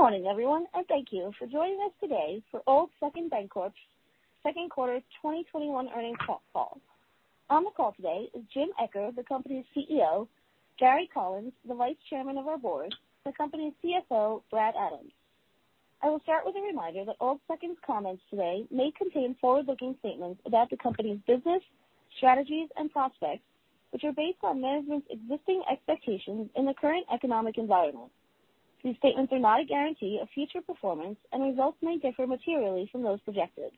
Good morning, everyone, and thank you for joining us today for Old Second Bancorp's Second Quarter 2021 Earnings Call. On the call today is Jim Eccher, the company's CEO, Gary Collins, the Vice Chairman of our board, the company's CFO, Brad Adams. I will start with a reminder that Old Second's comments today may contain forward-looking statements about the company's business, strategies, and prospects, which are based on management's existing expectations in the current economic environment. These statements are not a guarantee of future performance, and results may differ materially from those projected.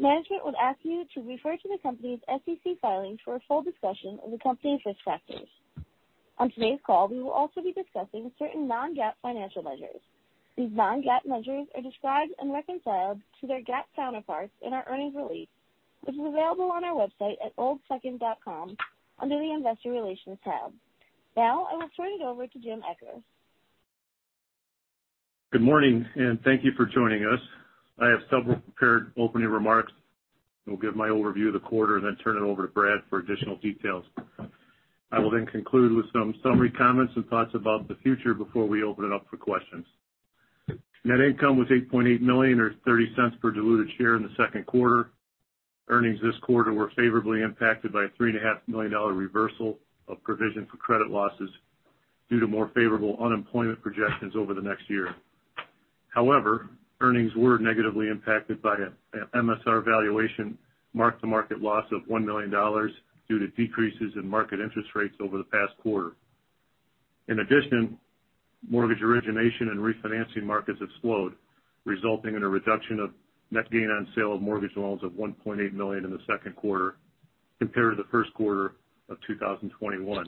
Management would ask you to refer to the company's SEC filing for a full discussion of the company's risk factors. On today's call, we will also be discussing certain non-GAAP financial measures. These non-GAAP measures are described and reconciled to their GAAP counterparts in our earnings release, which is available on our website at oldsecond.com under the Investor Relations tab. Now, I will turn it over to Jim Eccher. Good morning. Thank you for joining us. I have several prepared opening remarks. I'll give my overview of the quarter and then turn it over to Brad for additional details. I will then conclude with some summary comments and thoughts about the future before we open it up for questions. Net income was $8.8 million, or $0.30 per diluted share in the second quarter. Earnings this quarter were favorably impacted by a $3.5 million reversal of provision for credit losses due to more favorable unemployment projections over the next year. However, earnings were negatively impacted by an MSR valuation mark-to-market loss of $1 million due to decreases in market interest rates over the past quarter. In addition, mortgage origination and refinancing markets have slowed, resulting in a reduction of net gain on sale of mortgage loans of $1.8 million in the second quarter compared to the first quarter of 2021.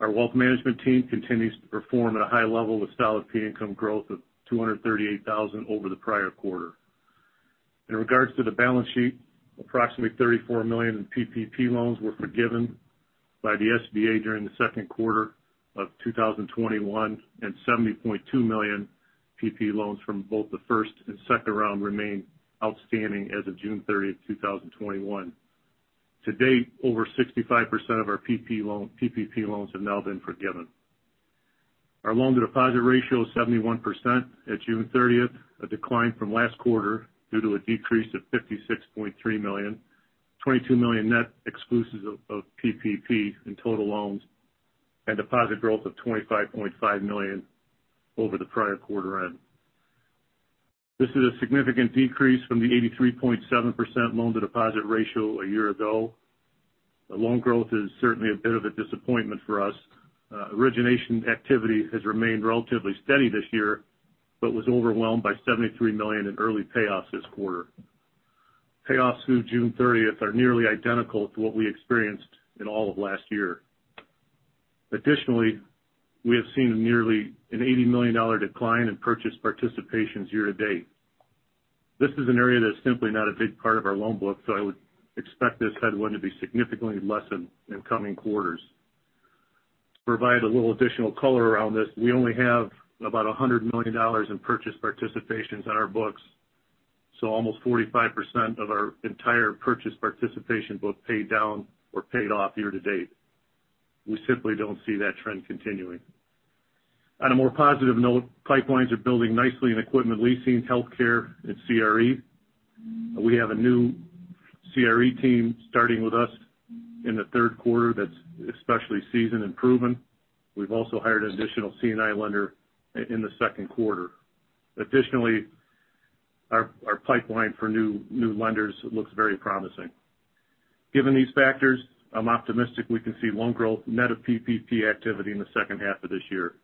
Our wealth management team continues to perform at a high-level with solid fee income growth of $238,000 over the prior-quarter. In regards to the balance sheet, approximately $34 million in PPP loans were forgiven by the SBA during the second quarter of 2021, and $70.2 million PPP loans from both the first and second round remain outstanding as of June 30, 2021. To date, over 65% of our PPP loans have now been forgiven. Our loan-to-deposit ratio is 71% at June 30th, a decline from last quarter due to a decrease of $56.3 million, $22 million net exclusive of PPP in total loans, and deposit growth of $25.5 million over the prior-quarter end. This is a significant decrease from the 83.7% loan-to-deposit ratio one year ago. The loan growth is certainly a bit of a disappointment for us. Origination activity has remained relatively steady this year but was overwhelmed by $73 million in early payoffs this quarter. Payoffs through June 30th are nearly identical to what we experienced in all of last year. Additionally, we have seen nearly an $80 million decline in purchase participations year-to-date. This is an area that's simply not a big part of our loan book, so I would expect this headwind to be significantly less in coming quarters. To provide a little additional color around this, we only have about $100 million in purchase participations on our books, so almost 45% of our entire purchase participation book paid down or paid off year-to-date. We simply don't see that trend continuing. On a more positive note, pipelines are building nicely in equipment leasing, healthcare, and CRE. We have a new CRE team starting with us in the third quarter that's especially seasoned and proven. We've also hired an additional C&I lender in the second quarter. Additionally, our pipeline for new lenders looks very promising. Given these factors, I'm optimistic we can see loan growth net of PPP activity in the second half of this year.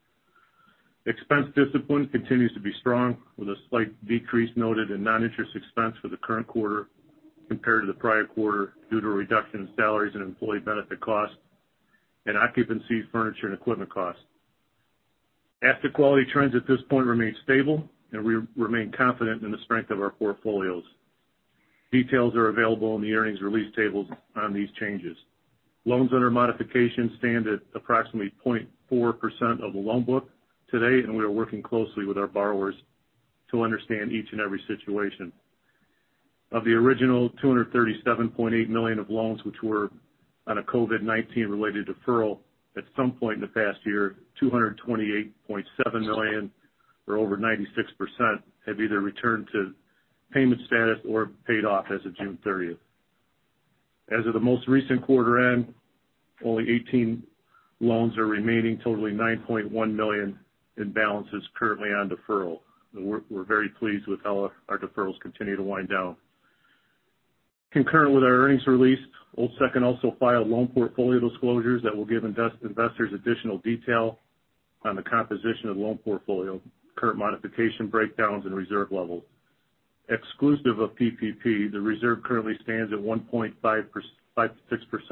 Expense discipline continues to be strong, with a slight decrease noted in non-interest expense for the current quarter compared to the prior-quarter due to a reduction in salaries and employee benefit costs and occupancy, furniture, and equipment costs. Asset quality trends at this point remain stable, and we remain confident in the strength of our portfolios. Details are available in the earnings release tables on these changes. Loans that are modification stand at approximately 0.4% of the loan book today, and we are working closely with our borrowers to understand each and every situation. Of the original $237.8 million of loans which were on a COVID-19 related deferral at some point in the past year, $228.7 million, or over 96%, have either returned to payment status or paid off as of June 30th. As of the most recent quarter end, only 18 loans are remaining, totaling $9.1 million in balances currently on deferral. We're very pleased with how our deferrals continue to wind down. Concurrent with our earnings release, Old Second also filed loan portfolio disclosures that will give investors additional detail on the composition of the loan portfolio, current modification breakdowns, and reserve levels. Exclusive of PPP, the reserve currently stands at 1.56%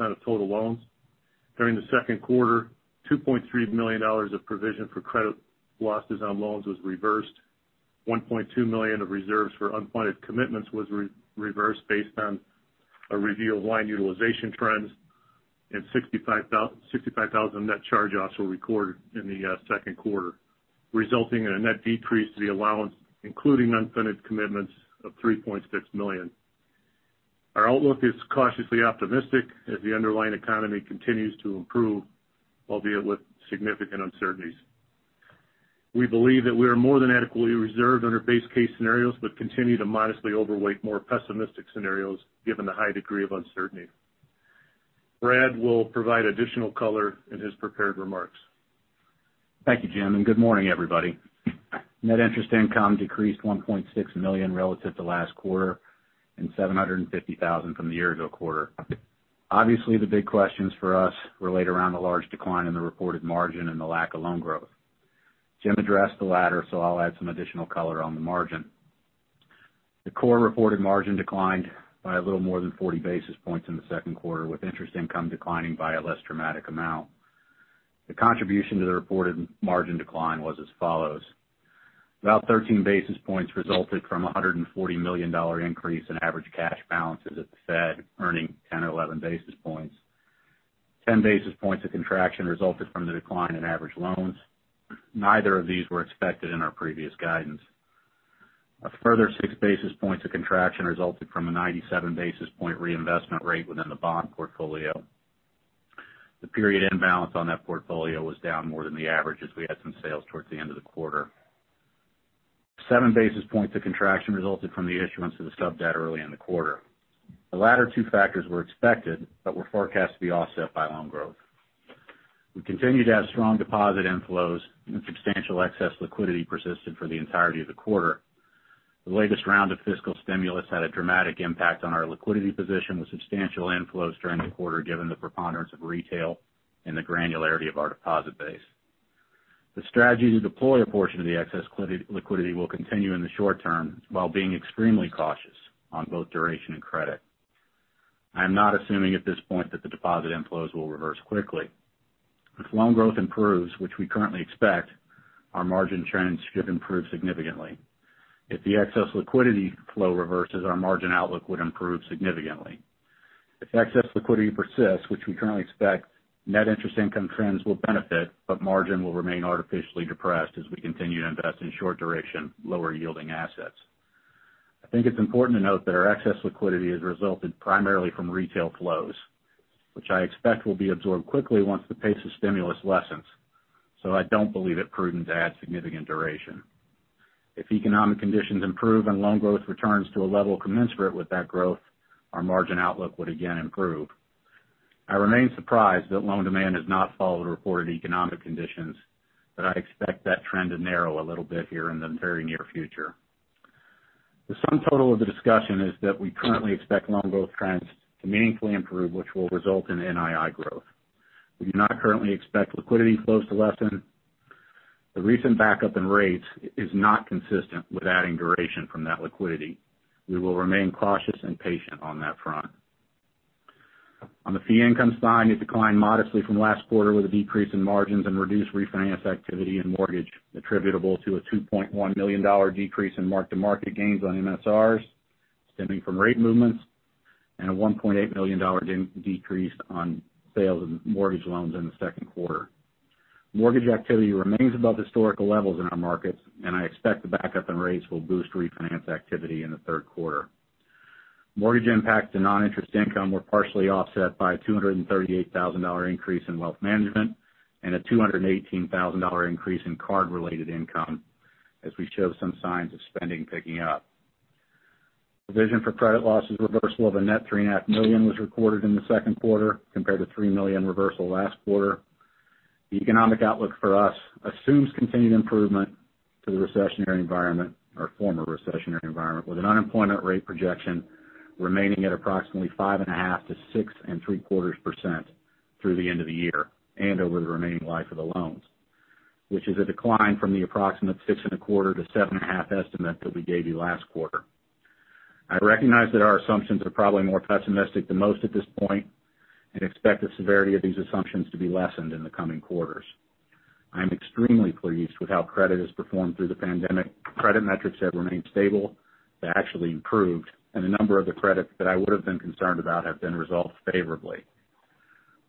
of total loans. During the second quarter, $2.3 million of provision for credit losses on loans was reversed, $1.2 million of reserves for unfunded commitments was reversed based on a review of line utilization trends, and $65,000 net charge-offs were recorded in the second quarter, resulting in a net decrease to the allowance, including unfunded commitments, of $3.6 million. Our outlook is cautiously optimistic as the underlying economy continues to improve, albeit with significant uncertainties. We believe that we are more than adequately reserved under base case scenarios, but continue to modestly overweight more pessimistic scenarios given the high degree of uncertainty. Brad will provide additional color in his prepared remarks. Thank you, Jim. Good morning, everybody. Net interest income decreased $1.6 million relative to last quarter and $750,000 from the year-ago quarter. Obviously, the big questions for us relate around the large decline in the reported margin and the lack of loan growth. Jim addressed the latter, so I'll add some additional color on the margin. The core reported margin declined by a little more than 40 basis points in the second quarter, with interest income declining by a less dramatic amount. The contribution to the reported margin decline was as follows. About 13 basis points resulted from a $140 million increase in average cash balances at the Fed, earning 10 or 11 basis points. 10 basis points of contraction resulted from the decline in average loans. Neither of these were expected in our previous guidance. A further 6 basis points of contraction resulted from a 97 basis point reinvestment rate within the bond portfolio. The period end balance on that portfolio was down more than the average as we had some sales towards the end of the quarter. 7 basis points of contraction resulted from the issuance of the sub-debt early in the quarter. The latter two factors were expected but were forecast to be offset by loan growth. We continue to have strong deposit inflows and substantial excess liquidity persisted for the entirety of the quarter. The latest round of fiscal stimulus had a dramatic impact on our liquidity position, with substantial inflows during the quarter, given the preponderance of retail and the granularity of our deposit base. The strategy to deploy a portion of the excess liquidity will continue in the short-term while being extremely cautious on both duration and credit. I am not assuming at this point that the deposit inflows will reverse quickly. If loan growth improves, which we currently expect, our margin trends should improve significantly. If the excess liquidity flow reverses, our margin outlook would improve significantly. If excess liquidity persists, which we currently expect, net interest income trends will benefit, but margin will remain artificially depressed as we continue to invest in short duration, lower yielding assets. I think it's important to note that our excess liquidity has resulted primarily from retail flows, which I expect will be absorbed quickly once the pace of stimulus lessens. I don't believe it prudent to add significant duration. If economic conditions improve and loan growth returns to a level commensurate with that growth, our margin outlook would again improve. I remain surprised that loan demand has not followed reported economic conditions, but I expect that trend to narrow a little bit here in the very near future. The sum total of the discussion is that we currently expect loan growth trends to meaningfully improve, which will result in NII growth. We do not currently expect liquidity flows to lessen. The recent backup in rates is not consistent with adding duration from that liquidity. We will remain cautious and patient on that front. On the fee income side, it declined modestly from last quarter with a decrease in margins and reduced refinance activity and mortgage attributable to a $2.1 million decrease in mark-to-market gains on MSRs stemming from rate movements and a $1.8 million decrease on sales of mortgage loans in the second quarter. Mortgage activity remains above historical levels in our markets. I expect the backup in rates will boost refinance activity in the third quarter. Mortgage impacts to non-interest income were partially offset by a $238,000 increase in wealth management and a $218,000 increase in card-related income as we show some signs of spending picking up. Provision for credit losses reversal of a net $3.5 million was recorded in the second quarter compared to $3 million reversal last quarter. The economic outlook for us assumes continued improvement to the recessionary environment or former recessionary environment, with an unemployment rate projection remaining at approximately 5.5%-6.75% through the end of the year and over the remaining life of the loans, which is a decline from the approximate 6.25%-7.5% estimate that we gave you last quarter. I recognize that our assumptions are probably more pessimistic than most at this point and expect the severity of these assumptions to be lessened in the coming quarters. I am extremely pleased with how credit has performed through the pandemic. Credit metrics have remained stable. They actually improved, and a number of the credits that I would've been concerned about have been resolved favorably.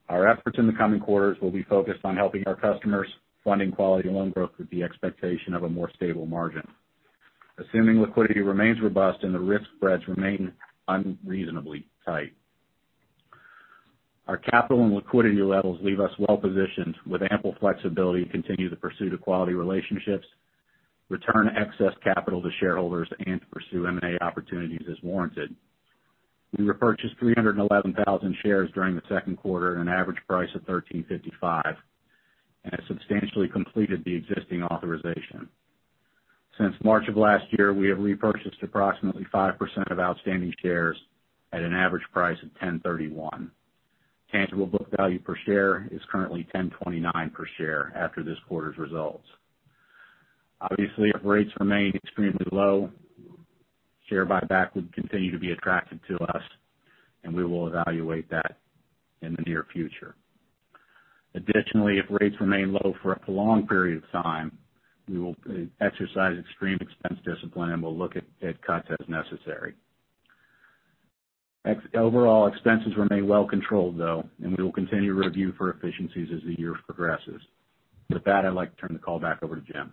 Our efforts in the coming quarters will be focused on helping our customers, funding quality loan growth with the expectation of a more stable margin, assuming liquidity remains robust and the risk spreads remain unreasonably tight. Our capital and liquidity levels leave us well positioned with ample flexibility to continue the pursuit of quality relationships, return excess capital to shareholders, and to pursue M&A opportunities as warranted. We repurchased 311,000 shares during the second quarter at an average price of $13.55, and have substantially completed the existing authorization. Since March of last year, we have repurchased approximately 5% of outstanding shares at an average price of $10.31. Tangible book value per share is currently $10.29 per share after this quarter's results. Obviously, if rates remain extremely low, share buyback would continue to be attractive to us, and we will evaluate that in the near future. Additionally, if rates remain low for a prolonged period of time, we will exercise extreme expense discipline, and we'll look at cuts as necessary. Overall expenses remain well controlled, though, and we will continue to review for efficiencies as the year progresses. With that, I'd like to turn the call back over to Jim.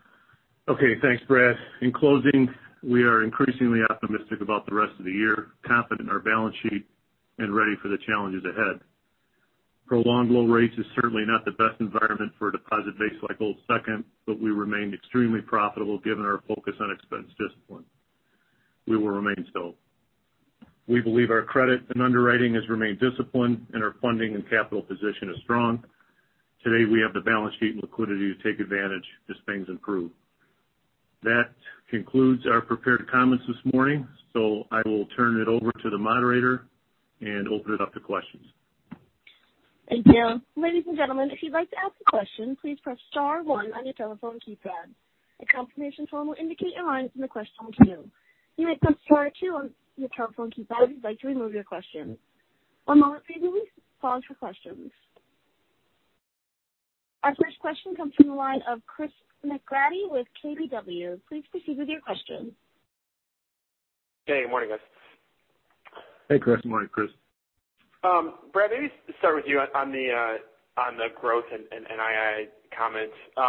Okay, thanks Brad. In closing, we are increasingly optimistic about the rest of the year, confident in our balance sheet, and ready for the challenges ahead. Prolonged low rates is certainly not the best environment for a deposit base like Old Second, but we remained extremely profitable given our focus on expense discipline. We will remain so. We believe our credit and underwriting has remained disciplined and our funding and capital position is strong. Today, we have the balance sheet and liquidity to take advantage as things improve. That concludes our prepared comments this morning, so I will turn it over to the moderator and open it up to questions. Thank you. Ladies and gentlemen, if you'd like to ask a question, please press star one on your telephone keypad. A confirmation tone will indicate your line is in the question queue. You may press star two on your telephone keypad if you'd like to remove your question. One moment please, while I transfer questions. Our first question comes from the line of Christopher McGratty with KBW. Please proceed with your question. Hey, good morning, guys. Hey, Chris. Good morning, Chris. Brad, maybe start with you on the growth and NII comments. I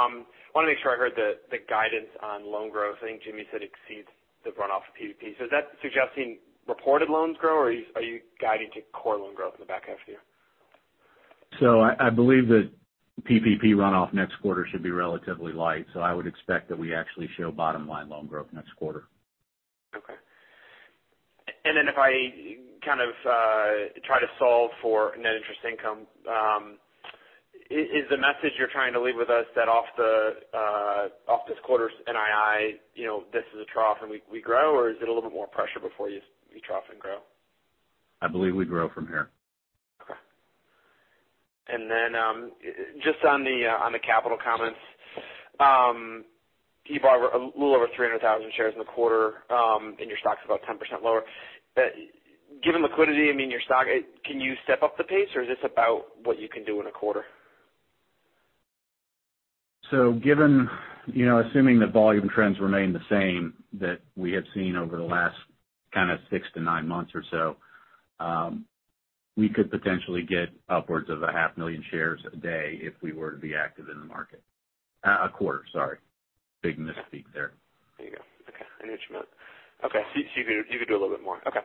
want to make sure I heard the guidance on loan growth. I think Jim said exceeds the runoff of PPP. Is that suggesting reported loans grow, or are you guiding to core loan growth in the back half of the year? I believe that PPP run-off next quarter should be relatively light, so I would expect that we actually show bottom-line loan growth next quarter. Okay. If I kind of try to solve for net interest income, is the message you're trying to leave with us that off this quarter's NII, this is a trough and we grow, or is it a little bit more pressure before you trough and grow? I believe we grow from here. Okay. Just on the capital comments. You bought a little over 300,000 shares in the quarter, and your stock's about 10% lower. Given liquidity, I mean, your stock, can you step up the pace or is this about what you can do in a quarter? Given, assuming that volume trends remain the same that we have seen over the last kind of six to nine months or so, we could potentially get upwards of a 500,000 shares a day if we were to be active in the market. A quarter, sorry. Big misspeak there. There you go. Okay. I knew what you meant. Okay. You could do a little bit more. Okay.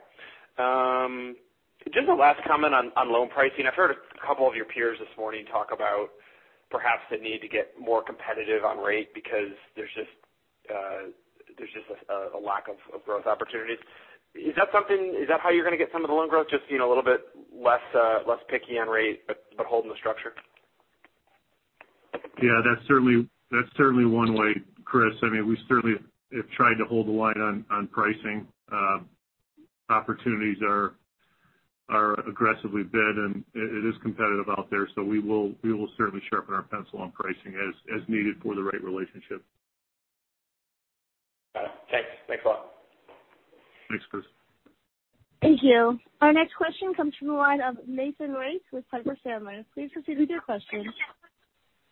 Just a last comment on loan pricing. I've heard a couple of your peers this morning talk about perhaps the need to get more competitive on rate because there's just a lack of growth opportunities. Is that how you're going to get some of the loan growth just a little bit less picky on rate but holding the structure? Yeah, that's certainly one way, Chris. I mean, we certainly have tried to hold the line on pricing. Opportunities are aggressively bid, and it is competitive out there. We will certainly sharpen our pencil on pricing as needed for the right relationship. Got it. Thanks. Thanks a lot. Thanks, Chris. Thank you. Our next question comes from the line of Nathan Race with Piper Sandler. Please proceed with your question.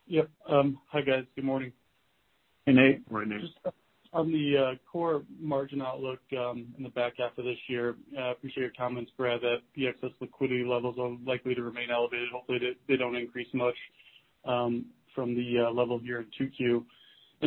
Yep. Hi, guys. Good morning. Hey, Nate. Morning, Nate. Just on the core margin outlook in the back half of this year, I appreciate your comments, Brad, that excess liquidity levels are likely to remain elevated. Hopefully, they don't increase much from the level here in 2Q.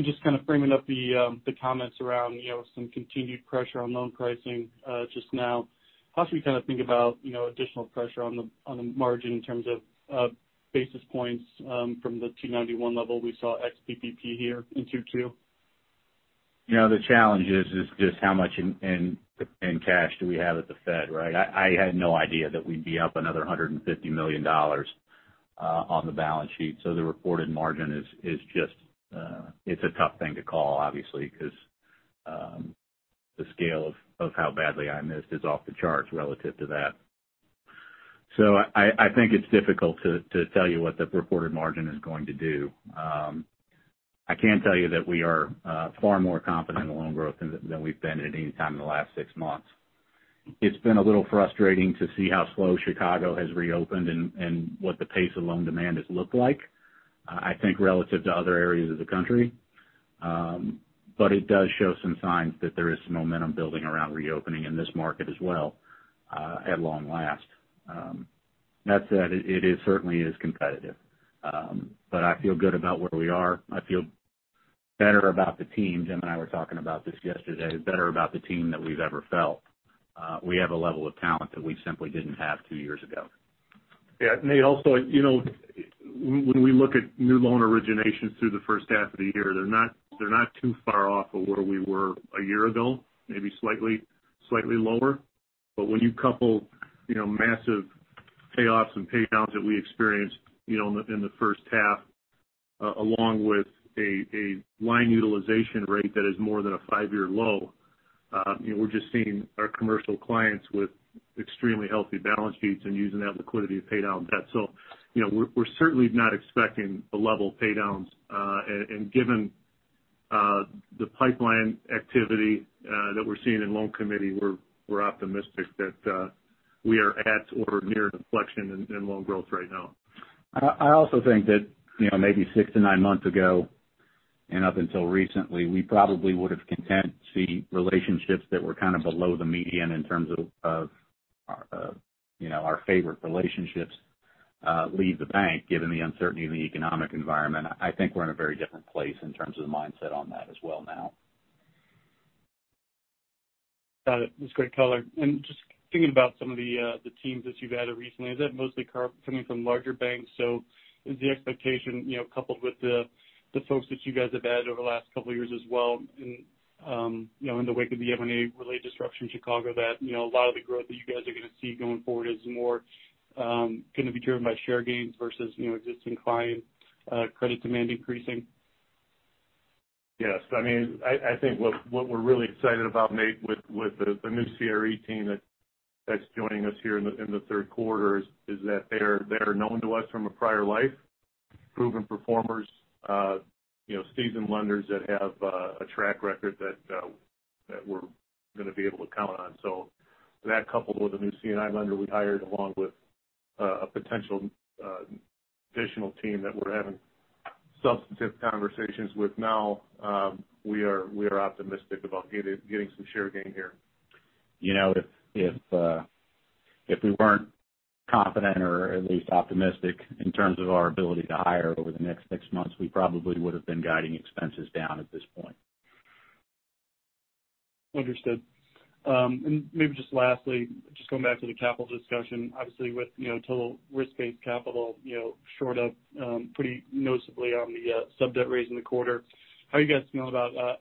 Just kind of framing up the comments around some continued pressure on loan pricing just now. How should we kind of think about additional pressure on the margin in terms of basis points from the 291 level we saw ex-PPP here in 2Q? The challenge is just how much in cash do we have at the Fed, right? I had no idea that we'd be up another $150 million on the balance sheet. The reported margin, it's a tough thing to call, obviously, because the scale of how badly I missed is off the charts relative to that. I think it's difficult to tell you what the reported margin is going to do. I can tell you that we are far more confident in the loan growth than we've been at any time in the last six months. It's been a little frustrating to see how slow Chicago has reopened and what the pace of loan demand has looked like. I think relative to other areas of the country. It does show some signs that there is some momentum building around reopening in this market as well, at long last. That said, it certainly is competitive. I feel good about where we are. I feel better about the team, Jim and I were talking about this yesterday, better about the team than we've ever felt. We have a level of talent that we simply didn't have two years ago. Nate, also, when we look at new loan originations through the first half of the year, they're not too far off of where we were a year ago, maybe slightly lower. When you couple massive payoffs and pay downs that we experienced in the first half, along with a line utilization rate that is more than a five-year low, we're just seeing our commercial clients with extremely healthy balance sheets and using that liquidity to pay down debt. We're certainly not expecting the level of pay downs. Given the pipeline activity that we're seeing in loan committee, we're optimistic that we are at or near inflection in loan growth right now. I also think that maybe six to nine months ago up until recently, we probably would've content to see relationships that were kind of below the median in terms of our favorite relationships leave the bank, given the uncertainty in the economic environment. I think we're in a very different place in terms of the mindset on that as well now. Got it. That's great color. Just thinking about some of the teams that you've added recently, is that mostly coming from larger banks? Is the expectation, coupled with the folks that you guys have added over the last couple of years as well in the wake of the M&A-related disruption in Chicago, that a lot of the growth that you guys are going to see going forward is more going to be driven by share gains versus new existing client credit demand increasing? Yes. I think what we're really excited about, Nate, with the new CRE team that's joining us here in the third quarter is that they are known to us from a prior life. Proven performers, seasoned lenders that have a track record that we're going to be able to count on. That, coupled with a new C&I lender we hired, along with a potential additional team that we're having substantive conversations with now, we are optimistic about getting some share gain here. If we weren't confident or at least optimistic in terms of our ability to hire over the next six months, we probably would've been guiding expenses down at this point. Understood. Maybe just lastly, just going back to the capital discussion, obviously, with total risk-based capital shored up pretty noticeably on the sub-debt raise in the quarter, how are you guys feeling about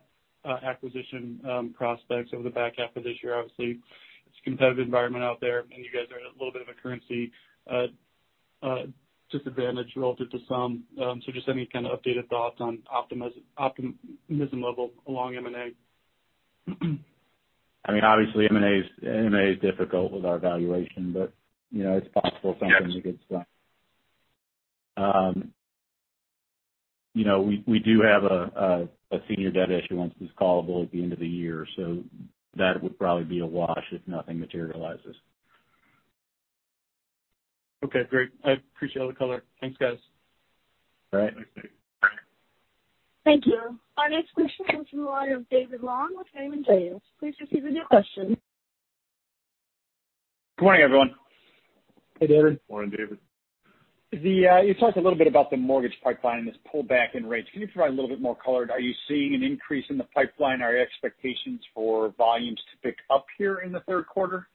acquisition prospects over the back half of this year? Obviously, it's a competitive environment out there, and you guys are at a little bit of a currency disadvantage relative to some. Just any kind of updated thoughts on optimism level along M&A? Obviously, M&A is difficult with our valuation, but it's possible. Yes. We do have a senior debt issuance that's callable at the end of the year, so that would probably be a wash if nothing materializes. Okay, great. I appreciate all the color. Thanks, guys. All right. Thanks, Nate. Thank you. Our next question comes from the line of David Long with Raymond James. Please proceed with your question. Good morning, everyone. Hey, David. Morning, David. You talked a little bit about the mortgage pipeline and this pullback in rates. Can you provide a little bit more color? Are you seeing an increase in the pipeline? Are your expectations for volumes to pick up here in the third quarter?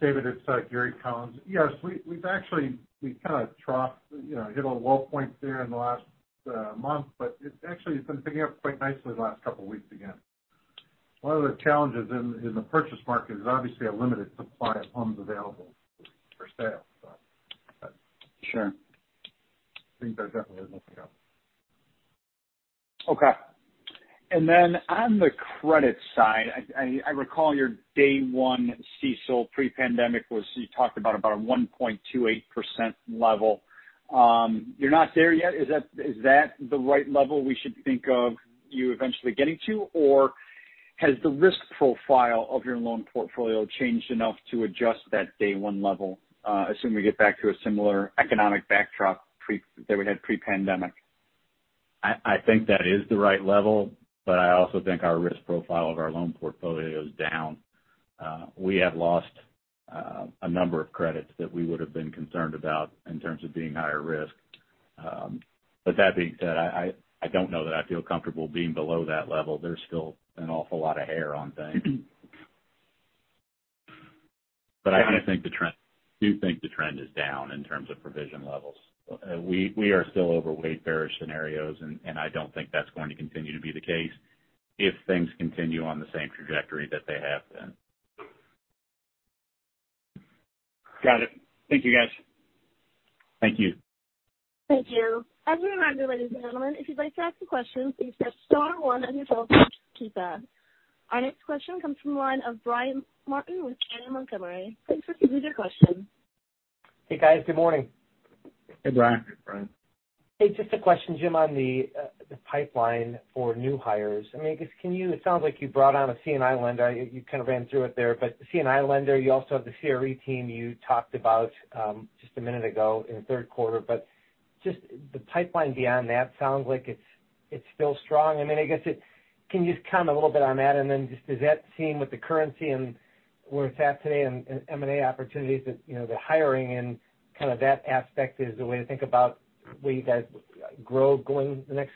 David, it's Gary Collins. Yes. We kind of troughed, hit a low point there in the last month, but it actually has been picking up quite nicely the last couple of weeks again. One of the challenges in the purchase market is obviously a limited supply of homes available for sale. Sure. Things are definitely looking up. Okay. On the credit side, I recall your day one CECL pre-pandemic was you talked about a 1.28% level. You're not there yet. Is that the right level we should think of you eventually getting to? Or has the risk profile of your loan portfolio changed enough to adjust that day one level, assuming we get back to a similar economic backdrop that we had pre-pandemic? I think that is the right level, but I also think our risk profile of our loan portfolio is down. We have lost a number of credits that we would've been concerned about in terms of being higher risk. That being said, I don't know that I feel comfortable being below that level. There's still an awful lot of hair on things. I do think the trend is down in terms of provision levels. We are still overweight various scenarios, and I don't think that's going to continue to be the case if things continue on the same trajectory that they have been. Got it. Thank you, guys. Thank you. Thank you. As a reminder, ladies and gentlemen, if you'd like to ask a question, please press star one on your telephone to queue-up. Our next question comes from the line of Brian Martin with Janney Montgomery. Please proceed with your question. Hey, guys. Good morning. Hey, Brian. Hey, Brian. Hey, just a question, Jim, on the pipeline for new hires. It sounds like you brought on one C&I lender. You kind of ran through it there. The one C&I lender, you also have the CRE team you talked about just a minute ago in the third quarter. Just the pipeline beyond that sounds like it's still strong. Can you just comment a little bit on that? Just does that seem with the currency and where it's at today and M&A opportunities that the hiring and kind of that aspect is the way to think about where you guys grow going the next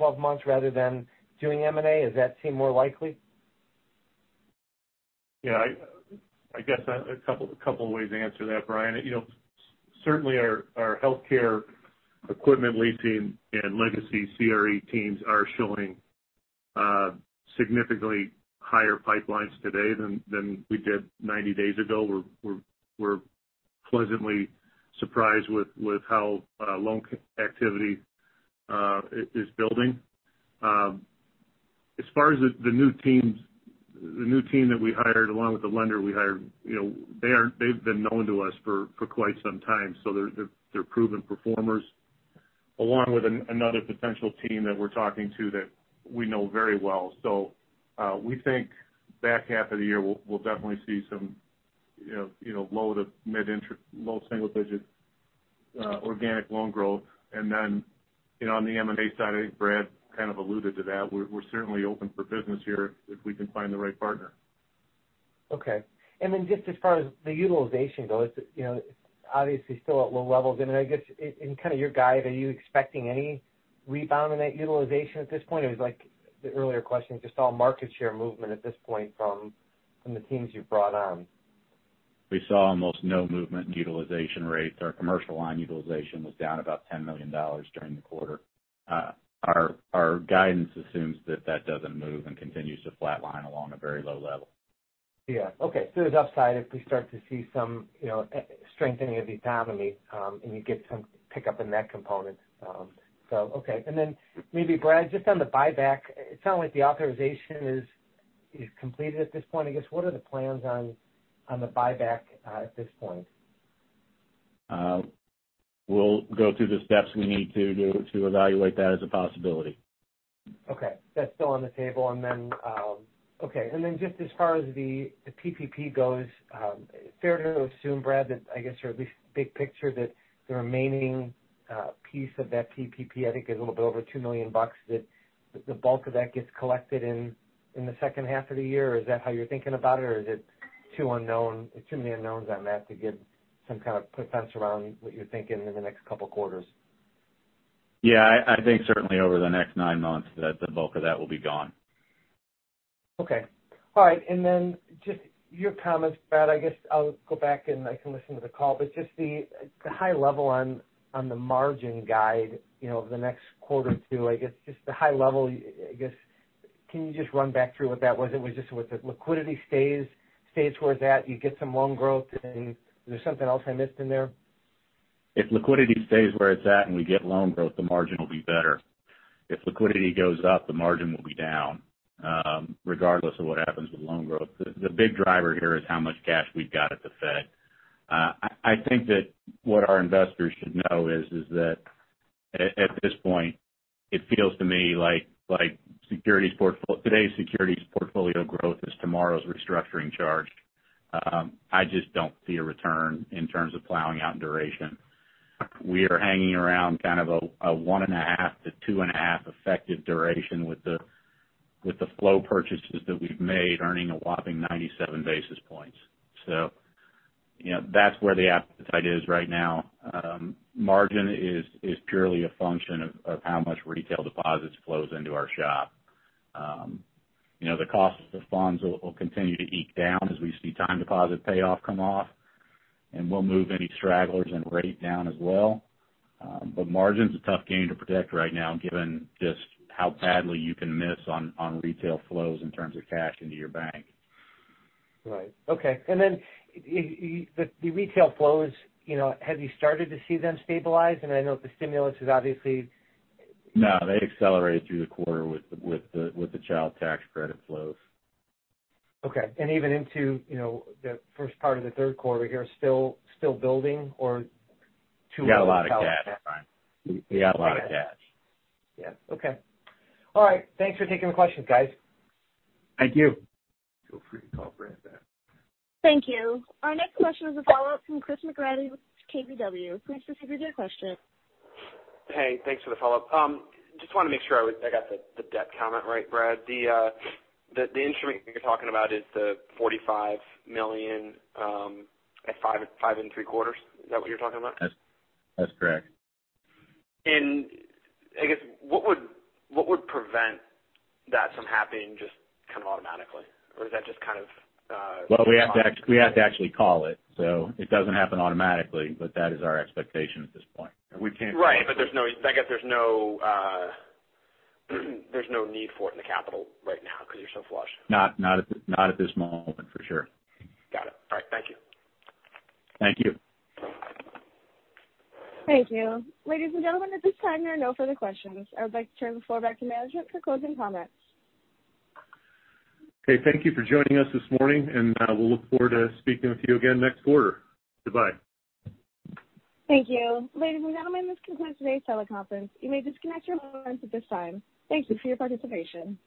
6-12 months rather than doing M&A? Does that seem more likely? I guess a couple of ways to answer that, Brian. Certainly, our healthcare equipment leasing and legacy CRE teams are showing significantly higher pipelines today than we did 90 days ago. We're pleasantly surprised with how loan activity is building. As far as the new team that we hired along with the lender we hired, they've been known to us for quite some time, so they're proven performers, along with another potential team that we're talking to that we know very well. We think back half of the year, we'll definitely see some low single-digit organic loan growth. On the M&A side, I think Brad kind of alluded to that. We're certainly open for business here if we can find the right partner. Okay. Just as far as the utilization goes, obviously still at low levels. I guess in your guide, are you expecting any rebound in that utilization at this point? Or is it like the earlier question, just all market share movement at this point from the teams you've brought on? We saw almost no movement in utilization rates. Our commercial line utilization was down about $10 million during the quarter. Our guidance assumes that that doesn't move and continues to flatline along a very low level. Yeah. Okay. There's upside if we start to see some strengthening of the economy, and you get some pickup in that component. Okay. Maybe Brad, just on the buyback. It's not like the authorization is completed at this point, I guess. What are the plans on the buyback at this point? We'll go through the steps we need to do to evaluate that as a possibility. Okay. That's still on the table. Just as far as the PPP goes, fair to assume, Brad, that I guess, or at least big picture, that the remaining piece of that PPP, I think a little bit over $2 million, that the bulk of that gets collected in the second half of the year. Is that how you're thinking about it, or is it too many unknowns on that to give some kind of defense around what you're thinking in the next couple of quarters? Yeah, I think certainly over the next nine months that the bulk of that will be gone. Okay. All right. Then just your comments, Brad, I guess I'll go back and I can listen to the call, but just the high level on the margin guide over the next quarter or two, I guess just the high level, I guess, can you just run back through what that was? It was just with the liquidity stays where it's at, you get some loan growth, and there's something else I missed in there? If liquidity stays where it's at and we get loan growth, the margin will be better. If liquidity goes up, the margin will be down, regardless of what happens with loan growth. The big driver here is how much cash we've got at the Fed. I think that what our investors should know is that at this point, it feels to me like today's securities portfolio growth is tomorrow's restructuring charge. I just don't see a return in terms of plowing out duration. We are hanging around kind of a 1.5 to 2.5 effective duration with the flow purchases that we've made, earning a whopping 97 basis points. That's where the appetite is right now. Margin is purely a function of how much retail deposits flows into our shop. The cost of funds will continue to eke down as we see time deposit payoff come off, we'll move any stragglers and rate down as well. Margin's a tough game to predict right now given just how badly you can miss on retail flows in terms of cash into your bank. Right. Okay. Then the retail flows, have you started to see them stabilize? I know the stimulus is obviously No, they accelerated through the quarter with the Child Tax Credit flows. Okay, even into the first part of the third quarter here, still building. We got a lot of cash, Brian. We got a lot of cash. Yeah. Okay. All right. Thanks for taking the questions, guys. Thank you. Feel free to call Brad back. Thank you. Our next question is a follow-up from Christopher McGratty with KBW. Please proceed with your question. Hey, thanks for the follow-up. Just want to make sure I got the debt comment right, Brad. The instrument you're talking about is the $45 million at five and three quarters. Is that what you're talking about? That's correct. I guess, what would prevent that from happening just kind of automatically? Well, we have to actually call it. It doesn't happen automatically, but that is our expectation at this point. Right. I guess there's no need for it in the capital right now because you're so flush. Not at this moment, for sure. Got it. All right. Thank you. Thank you. Thank you. Ladies and gentlemen, at this time, there are no further questions. I would like to turn the floor back to management for closing comments. Okay, thank you for joining us this morning, and we'll look forward to speaking with you again next quarter. Goodbye. Thank you. Ladies and gentlemen, this concludes today's teleconference. You may disconnect your phones at this time. Thank you for your participation.